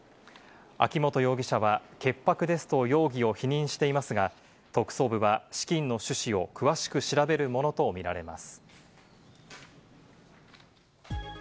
秋本容疑者は潔白ですと容疑を否認していますが、特捜部は資金の趣旨を詳しく調べるものとみられます。